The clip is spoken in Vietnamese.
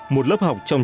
một lớp học trong